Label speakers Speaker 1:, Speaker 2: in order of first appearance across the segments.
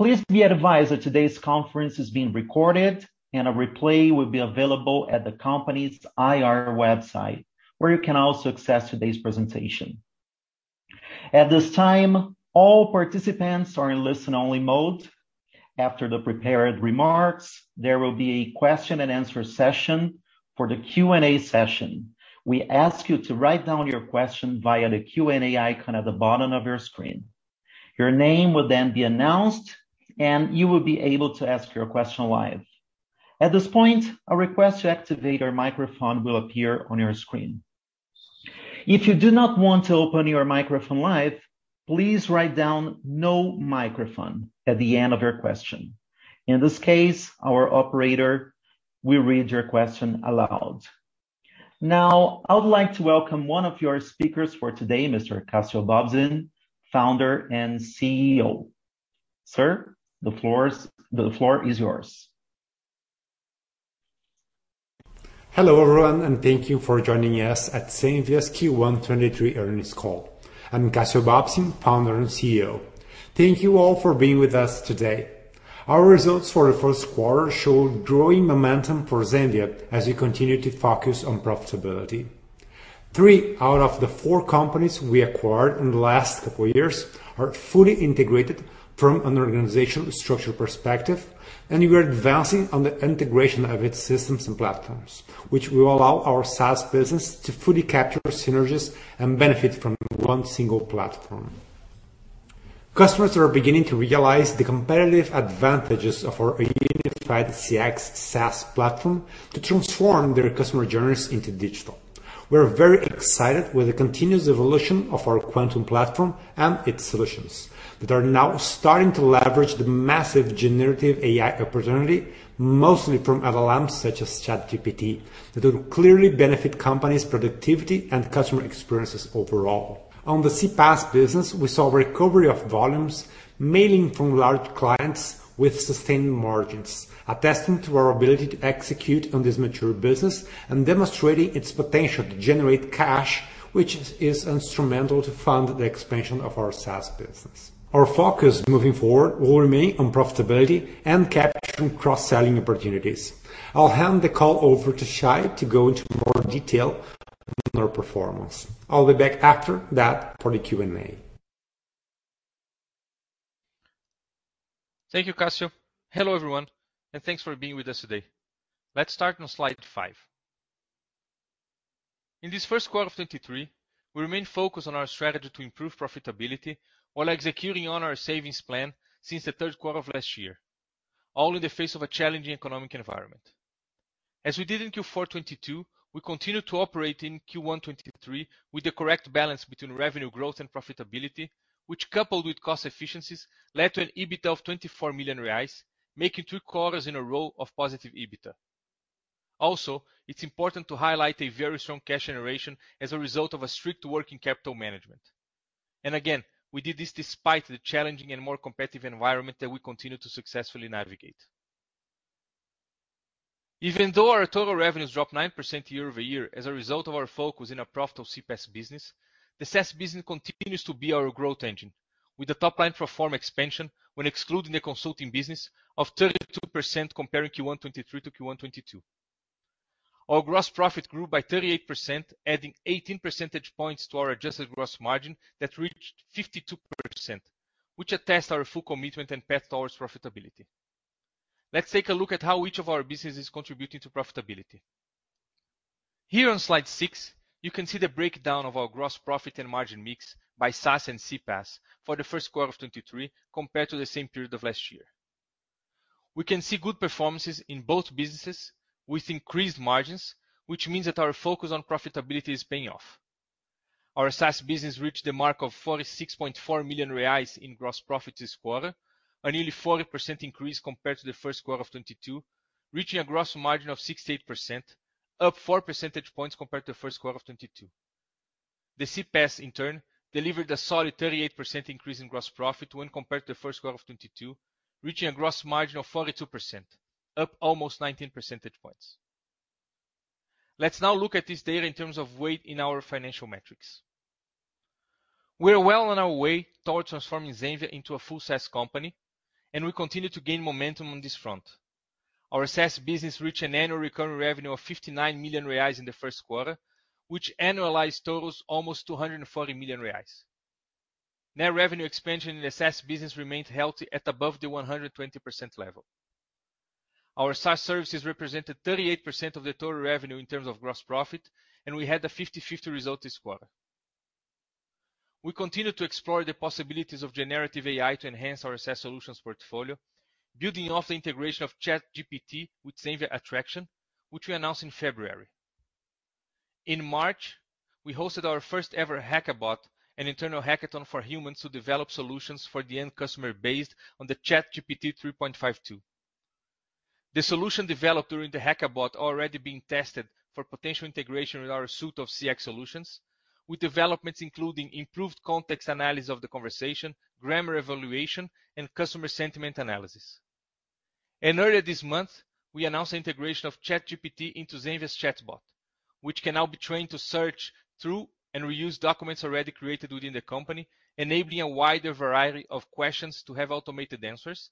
Speaker 1: Please be advised that today's conference is being recorded and a replay will be available at the company's IR website, where you can also access today's presentation. At this time, all participants are in listen-only mode. After the prepared remarks, there will be a question and answer session. For the Q&A session, we ask you to write down your question via the Q&A icon at the bottom of your screen. Your name would then be announced, you will be able to ask your question live. At this point, a request to activate our microphone will appear on your screen. If you do not want to open your microphone live, please write down "no microphone" at the end of your question. In this case, our operator will read your question aloud. I would like to welcome one of your speakers for today, Mr. Cassio Bobsin, Founder and CEO. Sir, the floor is yours.
Speaker 2: Hello, everyone, and thank you for joining us at Zenvia's Q1 2023 earnings call. I'm Cassio Bobsin, founder and CEO. Thank you all for being with us today. Our results for the first quarter show growing momentum for Zenvia as we continue to focus on profitability. Three out of the four companies we acquired in the last couple of years are fully integrated from an organizational structure perspective, and we are advancing on the integration of its systems and platforms, which will allow our SaaS business to fully capture synergies and benefit from 1 single platform. Customers are beginning to realize the competitive advantages of our unified CX SaaS platform to transform their customer journeys into digital. We're very excited with the continuous evolution of our Quantum platform and its solutions that are now starting to leverage the massive generative AI opportunity, mostly from LLMs such as ChatGPT, that will clearly benefit companies' productivity and customer experiences overall. On the CPaaS business, we saw a recovery of volumes, mainly from large clients with sustained margins, attesting to our ability to execute on this mature business and demonstrating its potential to generate cash, which is instrumental to fund the expansion of our SaaS business. Our focus moving forward will remain on profitability and capturing cross-selling opportunities. I'll hand the call over to Shay to go into more detail on our performance. I'll be back after that for the Q&A.
Speaker 3: Thank you, Cassio. Hello, everyone, and thanks for being with us today. Let's start on slide five. In this first quarter of 2023, we remain focused on our strategy to improve profitability while executing on our savings plan since the third quarter of last year, all in the face of a challenging economic environment. As we did in Q4 2022, we continued to operate in Q1 2023 with the correct balance between revenue growth and profitability, which coupled with cost efficiencies, led to an EBITDA of 24 million reais, making two quarters in a row of positive EBITDA. It's important to highlight a very strong cash generation as a result of a strict working capital management. Again, we did this despite the challenging and more competitive environment that we continue to successfully navigate. Even though our total revenues dropped 9% year-over-year as a result of our focus in our profitable CPaaS business, the SaaS business continues to be our growth engine, with the top-line pro forma expansion when excluding the consulting business of 32% comparing Q1 2023 to Q1 2022. Our gross profit grew by 38%, adding 18 percentage points to our adjusted gross margin that reached 52%, which attests our full commitment and path towards profitability. Let's take a look at how each of our business is contributing to profitability. Here on slide six, you can see the breakdown of our gross profit and margin mix by SaaS and CPaaS for the first quarter of 2023 compared to the same period of last year. We can see good performances in both businesses with increased margins, which means that our focus on profitability is paying off. Our SaaS business reached the mark of 46.4 million reais in gross profit this quarter, a nearly 40% increase compared to the first quarter of 2022, reaching a gross margin of 68%, up four percentage points compared to the first quarter of 2022. The CPaaS, in turn, delivered a solid 38% increase in gross profit when compared to the first quarter of 2022, reaching a gross margin of 42%, up almost 19 percentage points. Let's now look at this data in terms of weight in our financial metrics. We are well on our way towards transforming Zenvia into a full SaaS company, and we continue to gain momentum on this front. Our SaaS business reached an annual recurring revenue of 59 million reais in the first quarter, which annualized totals almost 240 million reais. Net revenue expansion in the SaaS business remained healthy at above the 120% level. Our SaaS services represented 38% of the total revenue in terms of gross profit, and we had a 50/50 result this quarter. We continue to explore the possibilities of generative AI to enhance our SaaS solutions portfolio, building off the integration of ChatGPT with Zenvia Attraction, which we announced in February. In March, we hosted our first ever Hack-a-Bot, an internal hackathon for humans to develop solutions for the end customer based on the ChatGPT 3.52. The solution developed during the Hack-a-Bot are already being tested for potential integration with our suite of CX solutions with developments including improved context analysis of the conversation, grammar evaluation, and customer sentiment analysis. Earlier this month, we announced the integration of ChatGPT into Zenvia's chatbot, which can now be trained to search through and reuse documents already created within the company, enabling a wider variety of questions to have automated answers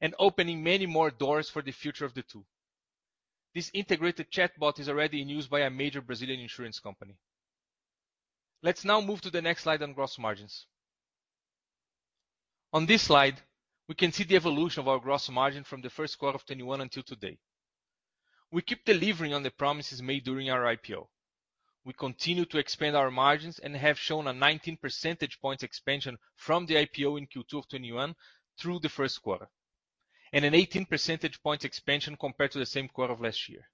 Speaker 3: and opening many more doors for the future of the two. This integrated chatbot is already in use by a major Brazilian insurance company. Let's now move to the next slide on gross margins. On this slide, we can see the evolution of our gross margin from the first quarter of 2021 until today. We keep delivering on the promises made during our IPO. We continue to expand our margins and have shown a 19 percentage points expansion from the IPO in Q2 of 2021 through the 1st quarter, and an 18 percentage points expansion compared to the same quarter of last year.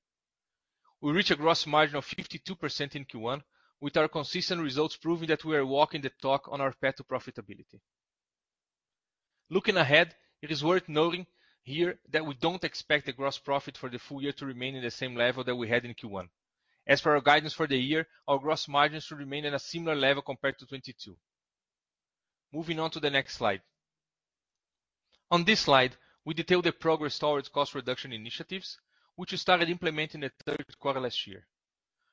Speaker 3: We reach a gross margin of 52% in Q1, with our consistent results proving that we are walking the talk on our path to profitability. Looking ahead, it is worth noting here that we don't expect the gross profit for the full year to remain in the same level that we had in Q1. As for our guidance for the year, our gross margins should remain at a similar level compared to 2022. Moving on to the next slide. On this slide, we detail the progress towards cost reduction initiatives, which we started implementing in the 3rd quarter last year.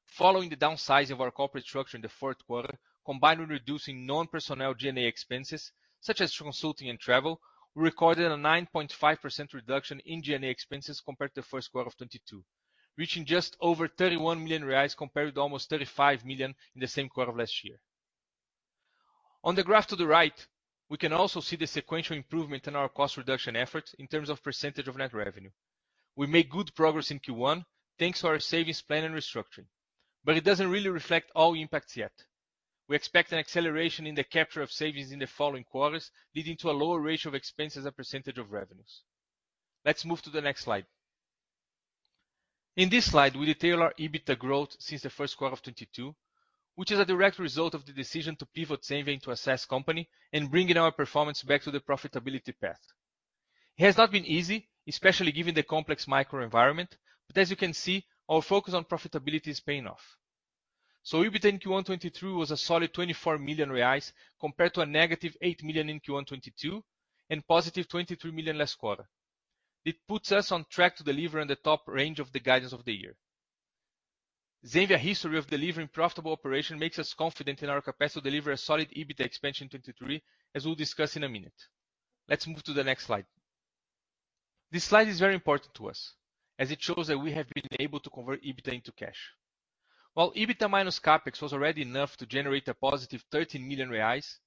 Speaker 3: Following the downsizing of our corporate structure in the fourth quarter, combined with reducing non-personnel G&A expenses such as consulting and travel, we recorded a 9.5% reduction in G&A expenses compared to the first quarter of 2022, reaching just over 31 million reais compared to almost 35 million in the same quarter last year. On the graph to the right, we can also see the sequential improvement in our cost reduction efforts in terms of percentage of net revenue. We made good progress in Q1, thanks to our savings plan and restructuring, but it doesn't really reflect all impacts yet. We expect an acceleration in the capture of savings in the following quarters, leading to a lower ratio of expenses as a percentage of revenues. Let's move to the next slide. In this slide, we detail our EBITDA growth since the first quarter of 2022, which is a direct result of the decision to pivot Zenvia into a SaaS company and bringing our performance back to the profitability path. It has not been easy, especially given the complex microenvironment. As you can see, our focus on profitability is paying off. EBITDA in Q1 2022 was a solid 24 million reais compared to a negative 8 million in Q1 2022 and positive 23 million last quarter. It puts us on track to deliver in the top range of the guidance of the year. Zenvia history of delivering profitable operation makes us confident in our capacity to deliver a solid EBITDA expansion in 2023, as we'll discuss in a minute. Let's move to the next slide. This slide is very important to us as it shows that we have been able to convert EBITDA into cash. EBITDA minus CapEx was already enough to generate a positive 13 million reais,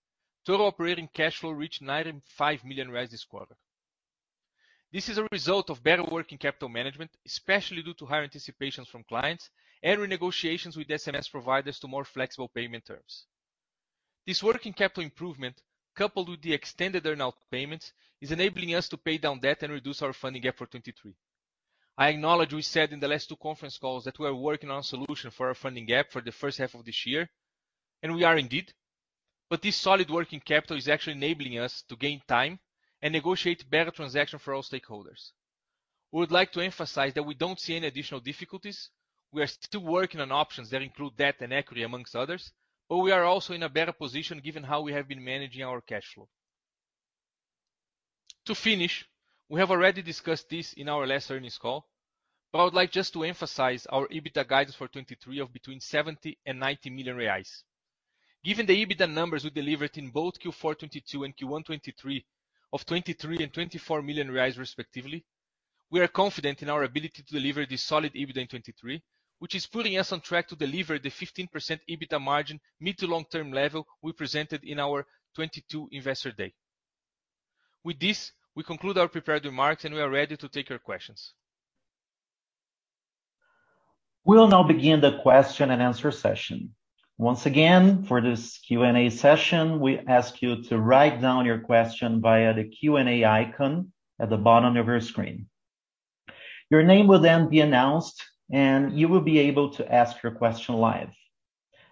Speaker 3: total operating cash flow reached 95 million reais this quarter. This is a result of better working capital management, especially due to higher anticipations from clients and renegotiations with SMS providers to more flexible payment terms. This working capital improvement, coupled with the extended earn-out payments, is enabling us to pay down debt and reduce our funding gap for 2023. I acknowledge we said in the last two conference calls that we are working on a solution for our funding gap for the first half of this year, and we are indeed, but this solid working capital is actually enabling us to gain time and negotiate better transaction for all stakeholders. We would like to emphasize that we don't see any additional difficulties. We are still working on options that include debt and equity amongst others, but we are also in a better position given how we have been managing our cash flow. To finish, we have already discussed this in our last earnings call, but I would like just to emphasize our EBITDA guidance for 2023 of between 70 million and 90 million reais. Given the EBITDA numbers we delivered in both Q4 2022 and Q1 2023 of 23 million and 24 million reais respectively, we are confident in our ability to deliver this solid EBITDA in 2023, which is putting us on track to deliver the 15% EBITDA margin mid to long-term level we presented in our 2022 investor day. With this, we conclude our prepared remarks, and we are ready to take your questions.
Speaker 1: We'll now begin the question and answer session. Once again, for this Q&A session, we ask you to write down your question via the Q&A icon at the bottom of your screen. Your name will then be announced, and you will be able to ask your question live.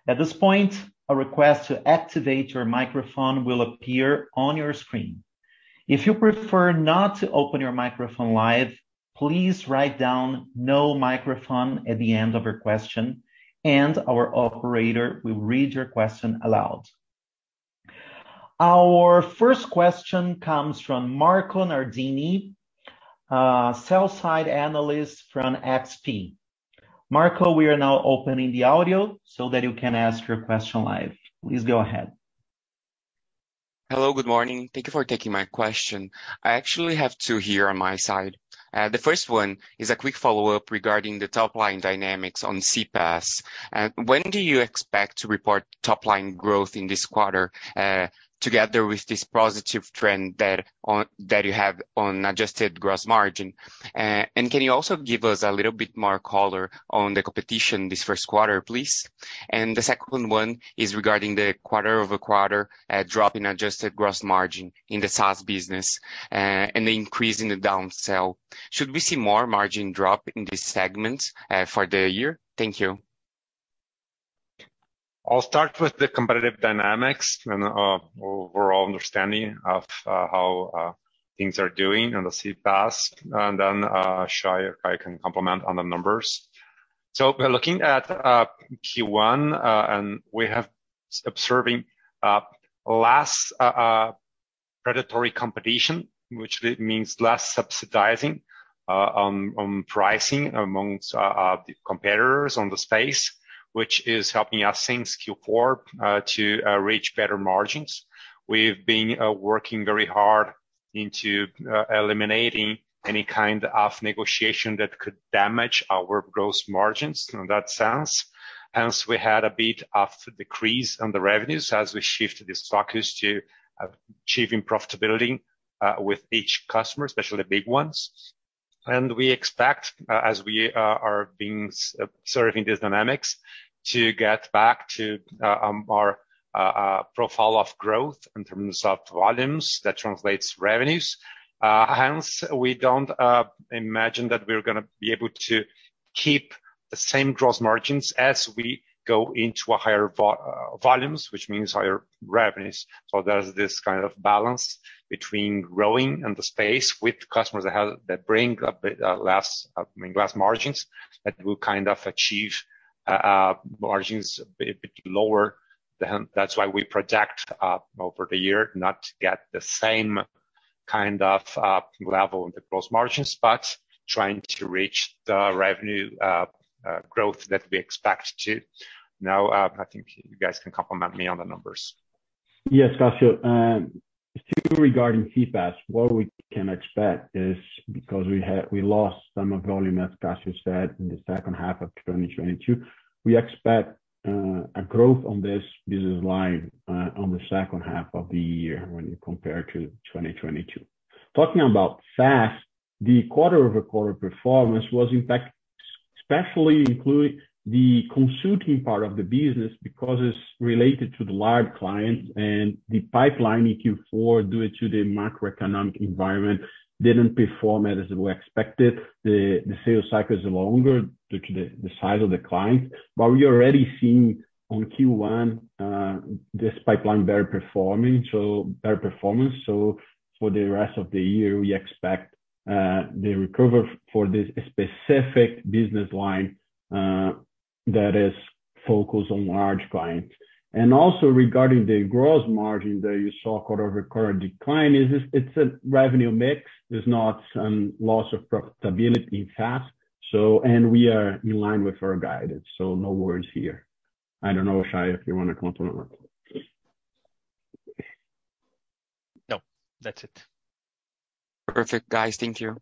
Speaker 1: At this point, a request to activate your microphone will appear on your screen. If you prefer not to open your microphone live, please write down "no microphone" at the end of your question, and our operator will read your question aloud. Our first question comes from Marco Nardini, sell-side analyst from XP. Marco, we are now opening the audio so that you can ask your question live. Please go ahead.
Speaker 4: Hello, good morning. Thank you for taking my question. I actually have two here on my side. The first one is a quick follow-up regarding the top-line dynamics on CPaaS. When do you expect to report top-line growth in this quarter, together with this positive trend that you have on adjusted gross margin? Can you also give us a little bit more color on the competition this first quarter, please? The second one is regarding the quarter-over-quarter drop in adjusted gross margin in the SaaS business, and the increase in the downsell. Should we see more margin drop in these segments for the year? Thank you.
Speaker 2: I'll start with the competitive dynamics and overall understanding of how things are doing on the CPaaS, and then Shay or Caio can complement on the numbers. We're looking at Q1, and we have observing less predatory competition, which means less subsidizing on pricing amongst the competitors on the space, which is helping us since Q4 to reach better margins. We've been working very hard into eliminating any kind of negotiation that could damage our gross margins in that sense. Hence, we had a bit of decrease on the revenues as we shifted these focus to achieving profitability with each customer, especially big ones. We expect, as we are being serving these dynamics, to get back to our profile of growth in terms of volumes that translates revenues. Hence, we don't imagine that we're gonna be able to keep the same gross margins as we go into a higher volumes, which means higher revenues. There's this kind of balance between growing and the space with customers that bring a bit less, mean, less margins, that will kind of achieve margins a bit lower than. That's why we project over the year not to get the same kind of level in the gross margin, but trying to reach the revenue growth that we expect to. Now, I think you guys can complement me on the numbers.
Speaker 5: Yes, Cassio. still regarding CPaaS, what we can expect is because we lost some of volume, as Cassio said, in the second half of 2022, we expect a growth on this business line on the second half of the year when you compare to 2022. Talking about SaaS, the quarter-over-quarter performance was in fact especially including the consulting part of the business because it's related to the large clients and the pipeline in Q4, due to the macroeconomic environment, didn't perform as we expected. The sales cycle is longer due to the size of the client. We're already seeing on Q1, this pipeline better performing, so better performance. For the rest of the year, we expect the recovery for this specific business line that is focused on large clients. Also regarding the gross margin that you saw quarter-over-quarter decline, it's a revenue mix. There's not some loss of profitability in SaaS. We are in line with our guidance, so no worries here. I don't know, Shay, if you wanna complement.
Speaker 3: No, that's it.
Speaker 4: Perfect, guys. Thank you.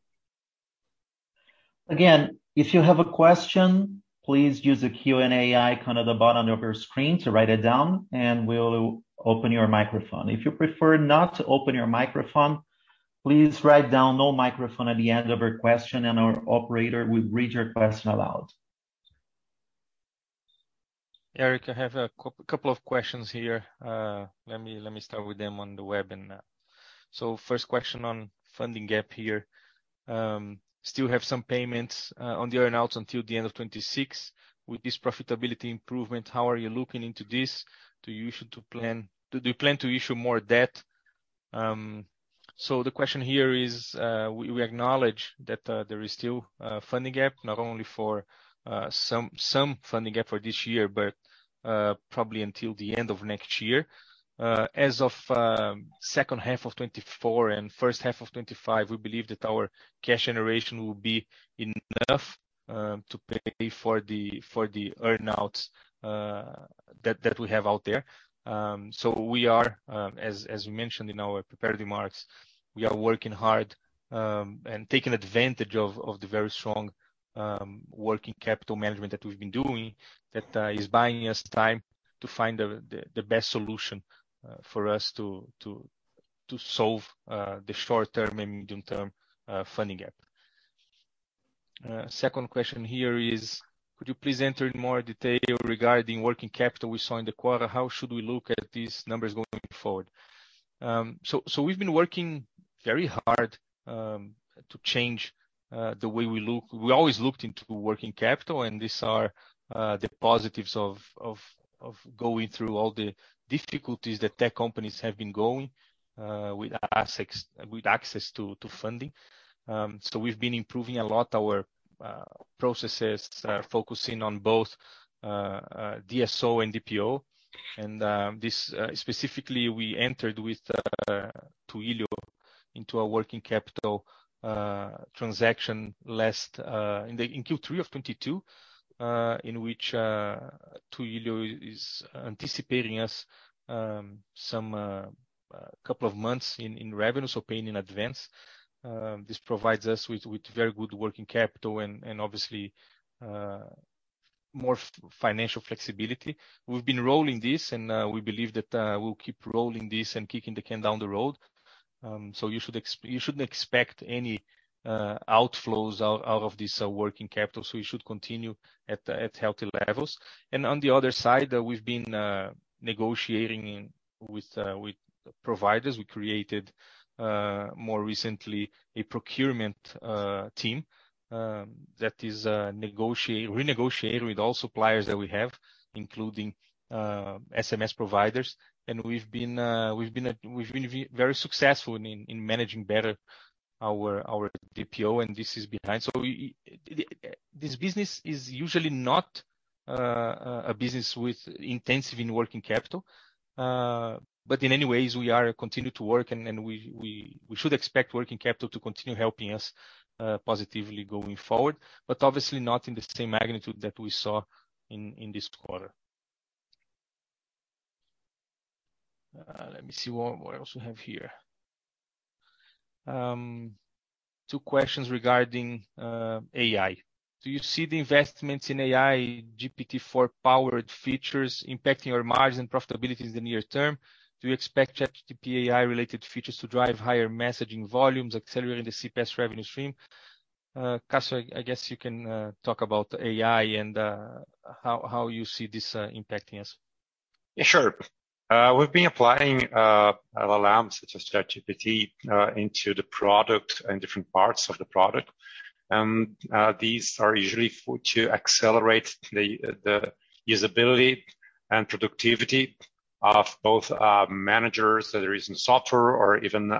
Speaker 1: If you have a question, please use the Q&A icon at the bottom of your screen to write it down and we'll open your microphone. If you prefer not to open your microphone, please write down "no microphone" at the end of your question and our operator will read your question out loud.
Speaker 3: Erick, I have a couple of questions here. Let me start with them on the web. First question on funding gap here. Still have some payments on the earn-outs until the end of 2026. With this profitability improvement, how are you looking into this? Do you plan to issue more debt? The question here is, we acknowledge that there is still a funding gap, not only for some funding gap for this year, but probably until the end of next year. As of second half of 2024 and first half of 2025, we believe that our cash generation will be enough to pay for the earn-outs that we have out there. We are, as we mentioned in our prepared remarks, we are working hard and taking advantage of the very strong working capital management that we've been doing that is buying us time to find the best solution for us to solve the short-term and medium-term funding gap. Second question here is could you please enter in more detail regarding working capital we saw in the quarter? How should we look at these numbers going forward? So we've been working very hard to change the way we look. We always looked into working capital. These are the positives of going through all the difficulties that tech companies have been going with access to funding. So we've been improving a lot our processes, focusing on both DSO and DPO. This specifically, we entered with Twilio into a working capital transaction last in Q3 of 2022, in which Twilio is anticipating us some couple of months in revenue, so paying in advance. This provides us with very good working capital and obviously, more financial flexibility. We've been rolling this, and we believe that we'll keep rolling this and kicking the can down the road. You shouldn't expect any outflows out of this working capital. We should continue at healthy levels. On the other side, we've been negotiating with providers. We created, more recently a procurement team that is renegotiating with all suppliers that we have, including SMS providers. We've been very successful in managing better our DPO, and this is behind. This business is usually not a business with intensive in working capital. In any ways, we are continue to work we should expect working capital to continue helping us positively going forward. Obviously not in the same magnitude that we saw in this quarter. Let me see what else we have here. Two questions regarding AI. Do you see the investments in AI GPT-4 powered features impacting our margins and profitability in the near term? Do you expect ChatGPT AI-related features to drive higher messaging volumes, accelerating the CPaaS revenue stream? Cassio, I guess you can talk about AI and how you see this impacting us.
Speaker 2: Yeah, sure. We've been applying LLM such as ChatGPT into the product and different parts of the product. These are usually to accelerate the usability and productivity of both managers, whether is in software or even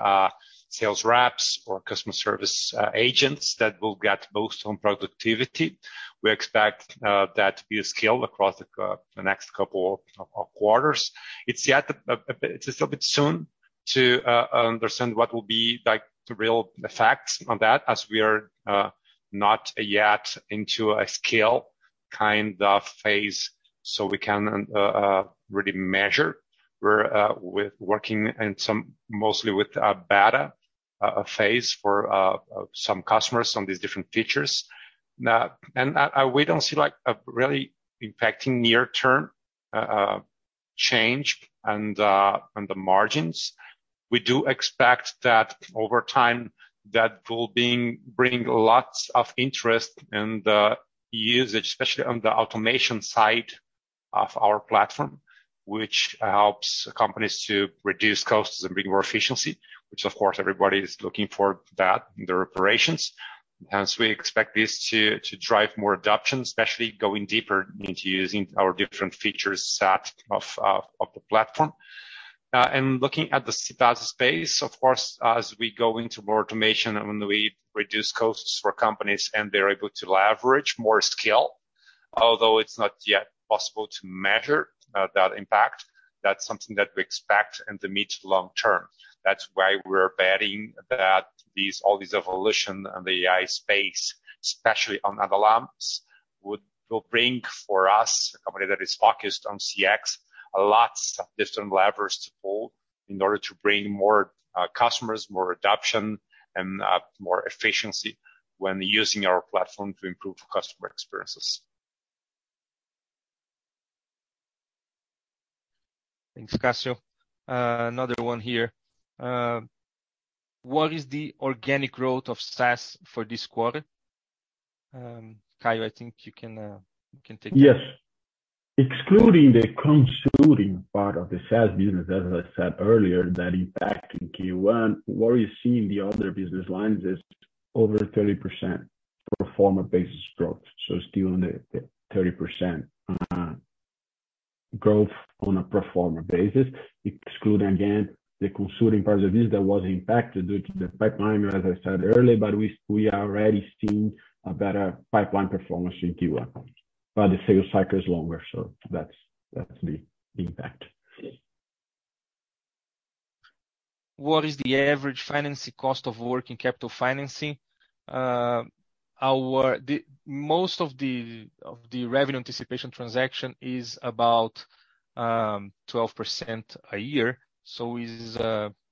Speaker 2: sales reps or customer service agents that will get boost on productivity. We expect that to be a scale across the next couple of quarters. It's a bit soon to understand what will be like the real effects on that as we are not yet into a scale kind of phase, so we can really measure. We're with working in some mostly with beta phase for some customers on these different features. We don't see like a really impacting near term change and the margins. We do expect that over time, that will bring lots of interest in the usage, especially on the automation side of our platform, which helps companies to reduce costs and bring more efficiency. Which of course everybody is looking for that in their operations. Hence we expect this to drive more adoption, especially going deeper into using our different features set of the platform. Looking at the CPaaS space, of course, as we go into more automation and when we reduce costs for companies and they're able to laverage more scale, although it's not yet possible to measure that impact. That's something that we expect in the mid to long term. That's why we're betting that these, all these evolution in the AI space, especially on LLMs, will bring for us, a company that is focused on CX, a lot of different levers to pull in order to bring more customers, more adoption and more efficiency when using our platform to improve customer experiences.
Speaker 3: Thanks, Cassio. Another one here. What is the organic growth of SaaS for this quarter? Caio, I think you can take that.
Speaker 5: Yes. Excluding the consulting part of the SaaS business, as I said earlier, that impact in Q-one, what we see in the other business lines is over 30% pro forma basis growth. Still in the 30% growth on a pro forma basis, excluding again the consulting part of the business that was impacted due to the pipeline, as I said earlier, but we are already seeing a better pipeline performance in Q1. The sales cycle is longer, so that's the impact.
Speaker 3: What is the average financing cost of working capital financing? The most of the revenue anticipation transaction is about 12% a year, so is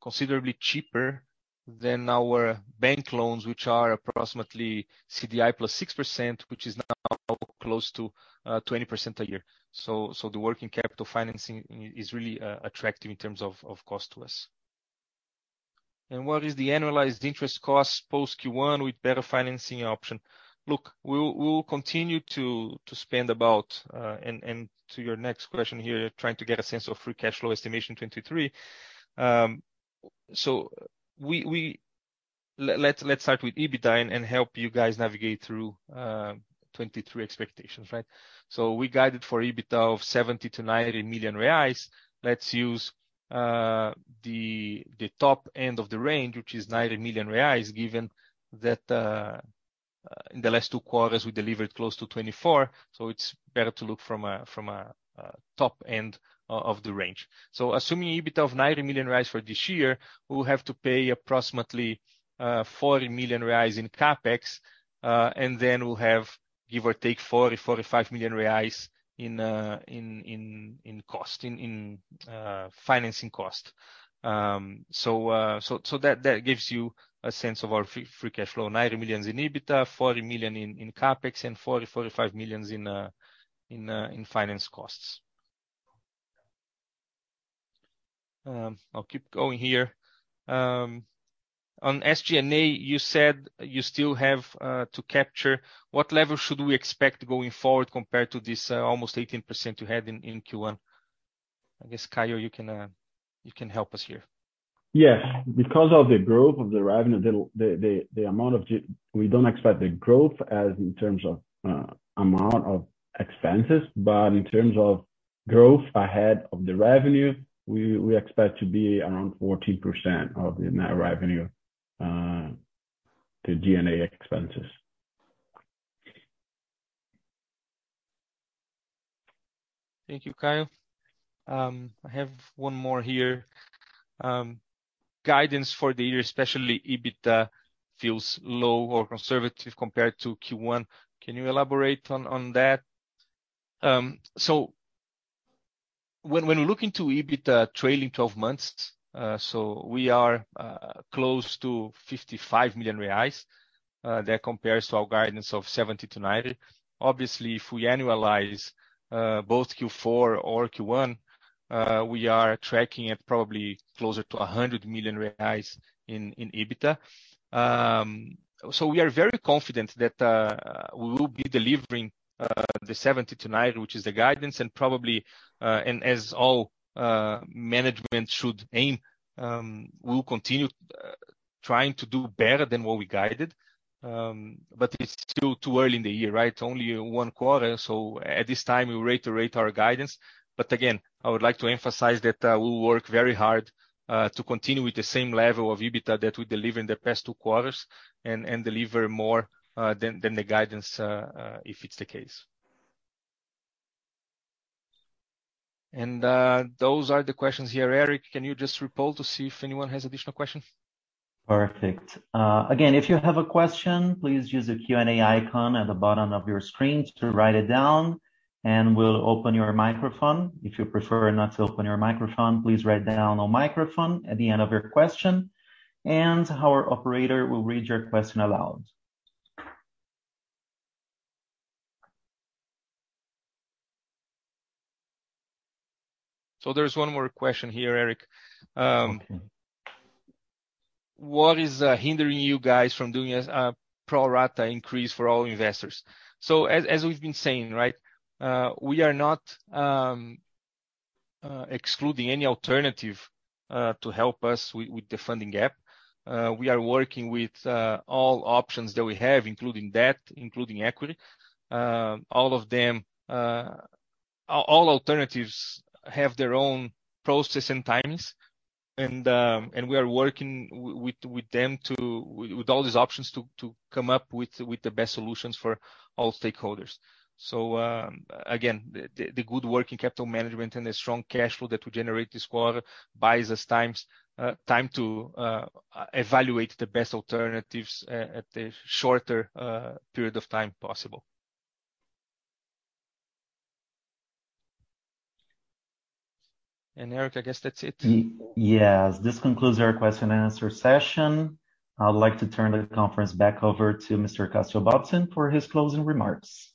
Speaker 3: considerably cheaper than our bank loans, which are approximately CDI plus 6%, which is now close to 20% a year. The working capital financing is really attractive in terms of cost to us. What is the annualized interest cost post Q1 with better financing option? Look, we'll continue to spend about, and to your next question here, trying to get a sense of free cash flow estimation 2023. We. Let's start with EBITDA and help you guys navigate through 2023 expectations, right? We guided for EBITDA of 70 million-90 million reais. Let's use the top end of the range, which is 90 million reais, given that in the last two quarters, we delivered close to 24, so it's better to look from a, from a top end of the range. Assuming EBITDA of 90 million reais for this year, we'll have to pay approximately 40 million reais in CapEx, and then we'll have, give or take 40 million-45 million reais in cost, in financing cost. That gives you a sense of our free cash flow. 90 million in EBITDA, 40 million in CapEx, and 40 million-45 million in finance costs. I'll keep going here. On SG&A, you said you still have to capture what level should we expect going forward compared to this almost 18% you had in Q1? I guess, Caio, you can help us here.
Speaker 5: Yes. Because of the growth of the revenue, we don't expect the growth as in terms of amount of expenses. In terms of growth ahead of the revenue, we expect to be around 14% of the net revenue.
Speaker 1: The D&A expenses.
Speaker 3: Thank you, Caio. I have one more here. Guidance for the year, especially EBITDA, feels low or conservative compared to Q1. Can you elaborate on that? When looking to EBITDA trailing 12 months, we are close to 55 million reais, that compares to our guidance of 70 million-90 million. Obviously, if we annualize both Q4 or Q1, we are tracking at probably closer to 100 million reais in EBITDA. We are very confident that we will be delivering the 70 million-90 million, which is the guidance and probably, and as all management should aim, we'll continue trying to do better than what we guided. It's still too early in the year, right? Only one quarter. At this time we reiterate our guidance. Again, I would like to emphasize that we work very hard to continue with the same level of EBITDA that we deliver in the past two quarters and deliver more than the guidance if it's the case. Those are the questions here. Eric, can you just report to see if anyone has additional questions?
Speaker 1: Perfect. Again, if you have a question, please use the Q&A icon at the bottom of your screen to write it down and we'll open your microphone. If you prefer not to open your microphone, please write down on microphone at the end of your question, and our operator will read your question aloud.
Speaker 3: There's one more question here, Eric. What is hindering you guys from doing a pro rata increase for all investors? As we've been saying, right, we are not excluding any alternative to help us with the funding gap. We are working with all options that we have, including debt, including equity. All of them, all alternatives have their own process and timings. We are working with them to all these options to come up with the best solutions for all stakeholders. Again, the good working capital management and the strong cash flow that we generate this quarter buys us time to evaluate the best alternatives at the shorter period of time possible. Eric, I guess that's it.
Speaker 1: Yes. This concludes our question and answer session. I would like to turn the conference back over to Mr. Cassio Bobsin for his closing remarks.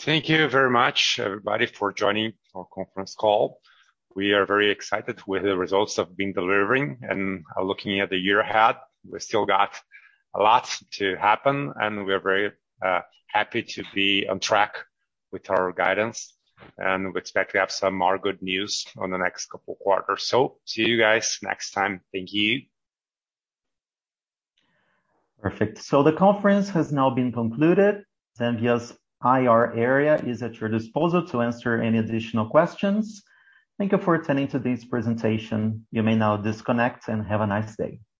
Speaker 2: Thank you very much, everybody, for joining our conference call. We are very excited with the results we've been delivering and looking at the year ahead. We've still got a lot to happen. We are very happy to be on track with our guidance. We expect to have some more good news on the next couple quarters. See you guys next time. Thank you.
Speaker 1: Perfect. The conference has now been concluded. Zenvia's IR area is at your disposal to answer any additional questions. Thank you for attending today's presentation. You may now disconnect and have a nice day.